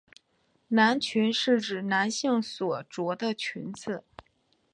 男裙是指男性所着的裙子。